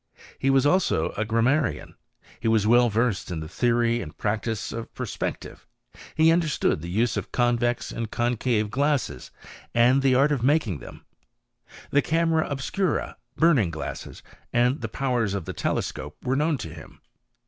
He was also a grammarian ; he was w^ versed in the theory and practice of perspective ; h understood the use of conve;!i: and concave glassesi an lid AJrt of nuking them. The csim^m obicntat bum ' ng glaMeHy and the powers of the telesc^ope, were iaowh to hhn.